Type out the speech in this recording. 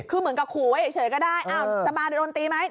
คือเหมือนกับขู่ไว้เฉยก็ได้อ้าวจะมาโดนตีไหม